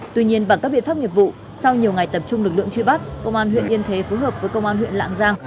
tuy nhiên bằng các biện pháp nghiệp vụ sau nhiều ngày tập trung lực lượng truy bắt công an huyện yên thế phối hợp với công an huyện lạng giang